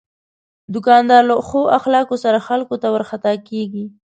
دوکاندار له ښو اخلاقو سره خلکو ته ورخطا کېږي.